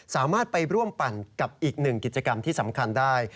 สามารถไปร่วมปั่นกับอีกหนึ่งกิจกรรมที่สำคัญได้